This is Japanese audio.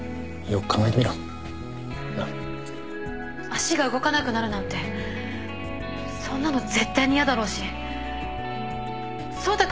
足が動かなくなるなんてそんなの絶対に嫌だろうし走太